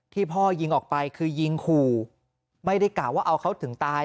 พ่อยิงออกไปคือยิงขู่ไม่ได้กล่าวว่าเอาเขาถึงตาย